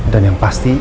dan yang pasti